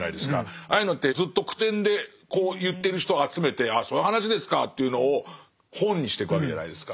ああいうのってずっと口伝で言ってる人を集めてああそういう話ですかというのを本にしてくわけじゃないですか。